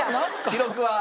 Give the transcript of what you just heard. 記録は？